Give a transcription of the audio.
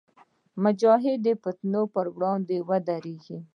مجاهد د فتنو پر وړاندې ودریږي.